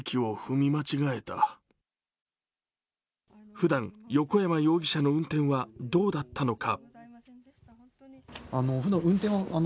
ふだん、横山容疑者の運転はどうだったのか。